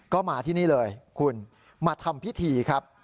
ก็มาที่นี่เลยคุณมาทำพิธีครับ